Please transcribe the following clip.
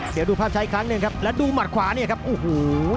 เดี๋ยวดูภาพใช้อีกครั้งหนึ่งครับแล้วดูหมัดขวาเนี่ยครับโอ้โห